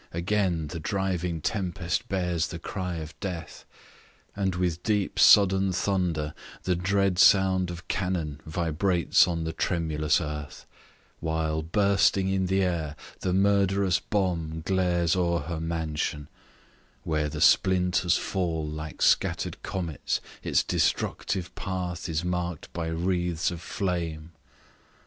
again The driving tempest bears the cry of Death; And with deep, sudden thunder, the dread sound Of cannon vibrates on the tremulous earth; While, bursting in the air, the murderous bomb Glares o'er her mansion Where the splinters fall Like scatter'd comets, its destructive path Is mark'd by wreaths of flame!